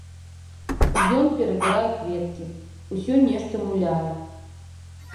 Ён перабірае кветкі, усё нешта муляе.